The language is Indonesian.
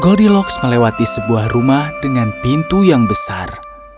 goldilocks melewati sebuah rumah dengan pintu yang besar